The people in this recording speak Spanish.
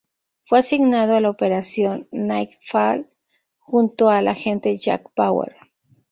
Fue asignado a la Operación Nightfall junto al Agente Jack Bauer.